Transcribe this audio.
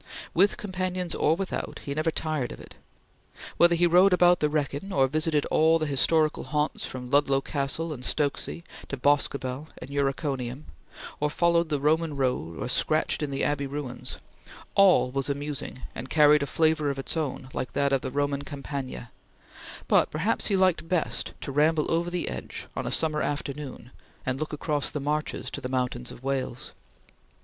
With companions or without, he never tired of it. Whether he rode about the Wrekin, or visited all the historical haunts from Ludlow Castle and Stokesay to Boscobel and Uriconium; or followed the Roman road or scratched in the Abbey ruins, all was amusing and carried a flavor of its own like that of the Roman Campagna; but perhaps he liked best to ramble over the Edge on a summer afternoon and look across the Marches to the mountains of Wales.